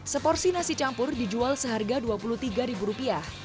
seporsi nasi campur dijual seharga dua puluh tiga ribu rupiah